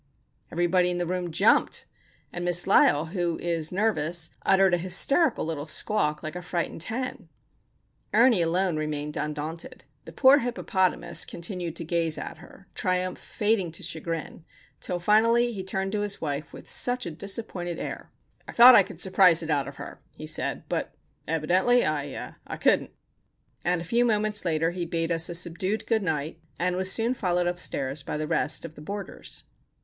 Everybody in the room jumped, and Miss Lysle, who is nervous, uttered an hysterical little squawk, like a frightened hen. Ernie alone remained undaunted. The poor "Hippopotamus" continued to gaze at her, triumph fading to chagrin, till, finally, he turned to his wife with such a disappointed air:— "I thought I could surprise it out of her," he said; "but, evidently, I—er—couldn't!" And a few moments later he bade us a subdued "good night" and was soon followed upstairs by the rest of the boarders.